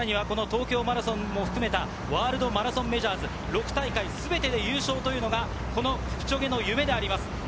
東京マラソンも含めたワールドマラソンメジャーズ６大会全てで優勝というのがキプチョゲの夢です。